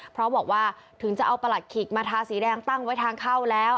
เพราะบอกว่าถึงจะเอาประหลัดขิกมาทาสีแดงตั้งไว้ทางเข้าแล้ว